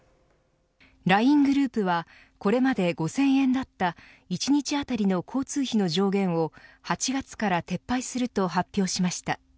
ＬＩＮＥグループはこれまで５０００円だった１日当たりの交通費の上限を８月から撤退すると発表しました。